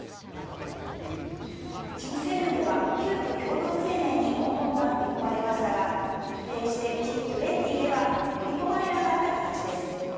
Ｇ７では急きょ、共同声明に文言が盛り込まれましたが、一転してＧ２０では盛り込まれなかった形です。